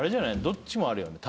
どっちもあるよね。